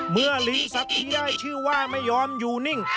ลิ้นสัตว์ที่ได้ชื่อว่าไม่ยอมอยู่นิ่ง